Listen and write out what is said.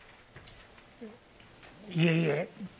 いえいえ。